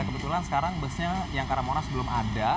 ya kebetulan sekarang busnya yang ke monas belum ada